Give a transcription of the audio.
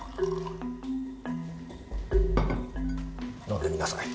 飲んでみなさい。